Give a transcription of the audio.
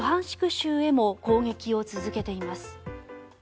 州へも攻撃を続けています。